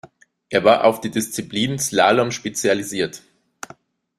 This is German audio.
Er war auf die Disziplin Slalom spezialisiert.